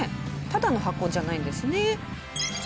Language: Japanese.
ただの箱じゃないんですね。